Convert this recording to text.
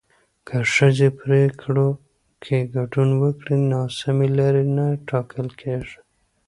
که ښځې پرېکړو کې ګډون وکړي، ناسمې لارې نه ټاکل کېږي.